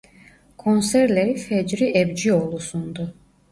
Konserleri Fecri Ebcioğlu sundu.